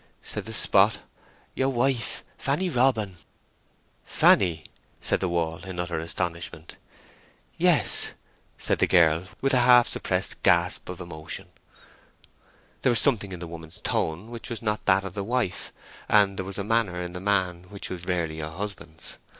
said the spot. "Your wife, Fanny Robin." "Fanny!" said the wall, in utter astonishment. "Yes," said the girl, with a half suppressed gasp of emotion. There was something in the woman's tone which is not that of the wife, and there was a manner in the man which is rarely a husband's.